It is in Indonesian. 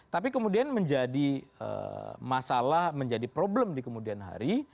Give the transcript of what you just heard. tapi kemudian menjadi masalah menjadi problem di kemudian hari